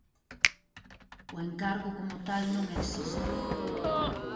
O encargo como tal non existe.